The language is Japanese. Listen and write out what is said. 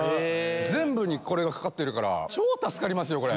全部にこれがかかってるから超助かりますよ。